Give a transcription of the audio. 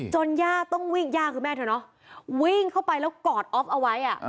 ย่าต้องวิ่งย่าคือแม่เธอเนาะวิ่งเข้าไปแล้วกอดออฟเอาไว้